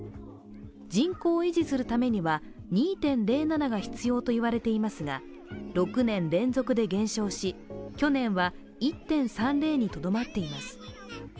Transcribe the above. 人口を維持するためには２．０７が必要と言われていますが６年連続で減少し、去年は１．３０にとどまっています。